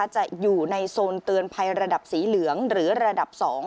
จะอยู่ในโซนเตือนภัยระดับสีเหลืองหรือระดับ๒